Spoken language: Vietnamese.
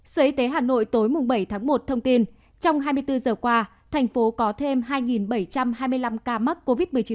sở y tế hà nội tối bảy tháng một thông tin trong hai mươi bốn giờ qua thành phố có thêm hai bảy trăm hai mươi năm ca mắc covid một mươi chín